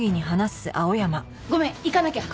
ごめん行かなきゃ！